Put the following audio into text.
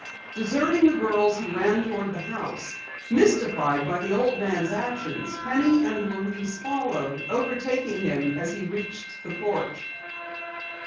Deserting the girls, he ran toward the house. Mystified by the old man's actions, Penny and Louise followed, overtaking him as he reached the porch.